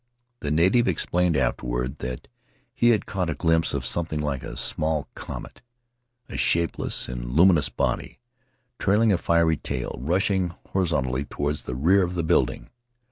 The native explained afterward that he had caught a glimpse of something like a small comet Faery Lands of the South Seas — a shapeless and luminous body, trailing a fiery tail — rushing horizontally toward the rear of the building.